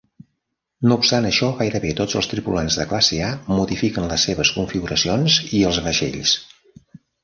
No obstant això, gairebé tots els tripulants de classe A modifiquen les seves configuracions i els vaixells.